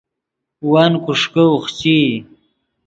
ون کوݰکے اوخچئی